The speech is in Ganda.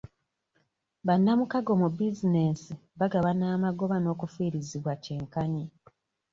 Bannamukago mu bizinensi bagabana amagoba n'okufiirizibwa kyenkanyi.